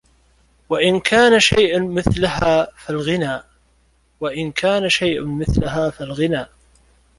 وَإِنْ كَانَ شَيْءٌ مِثْلَهَا فَالْغِنَى